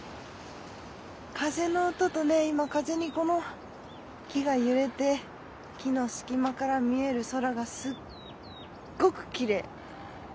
風の音とね今風にこの木が揺れて木の隙間から見える空がすっごくきれい。